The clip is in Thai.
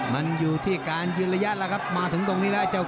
มันอยู่ที่การยืนระยะแล้วครับมาถึงตรงนี้แล้วเจ้า